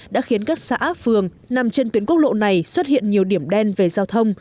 đã khiến các xã phường nằm trên tuyến quốc lộ này xuất hiện nhiều điểm đen về giao thông